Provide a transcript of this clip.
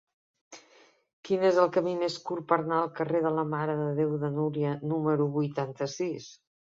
Quin és el camí més curt per anar al carrer de la Mare de Déu de Núria número vuitanta-sis?